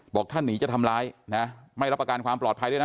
ถ้าหนีจะทำร้ายนะไม่รับประกันความปลอดภัยด้วยนะ